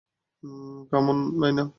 Come on, Naina!